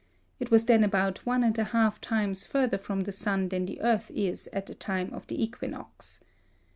It was then about one and a half times further from the sun than the earth is at the time of the equinox.